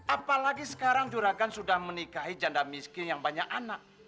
apalagi sekarang juragan sudah menikahi janda miskin yang banyak anak